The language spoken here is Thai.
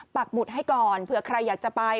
หมุดให้ก่อนเผื่อใครอยากจะไป